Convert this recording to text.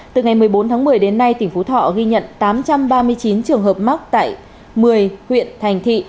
từ ngày một mươi bốn tháng một mươi đến nay tỉnh phú thọ ghi nhận tám trăm ba mươi chín trường hợp mắc tại một mươi huyện thành thị